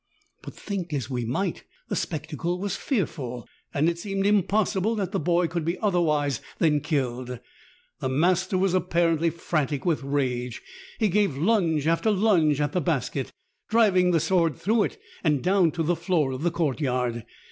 But think as we might, the spectacle was fearful, and it seemed impossible that the boy could be other wise than killed. The master was apparently frantic with rage ; he gave lunge after lunge at the basket, driving the sword through it and down to the floor of the court yard.